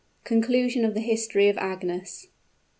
CONCLUSION OF THE HISTORY OF AGNES.